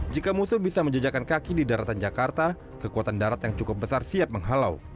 jika musuh bisa menjejakan kaki di daratan jakarta kekuatan darat yang cukup besar siap menghalau